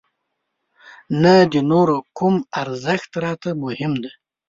نه د نورو کوم ارزښت راته مهم دی.